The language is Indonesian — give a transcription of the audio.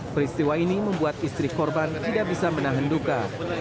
peristiwa ini membuat istri korban tidak bisa menahan duka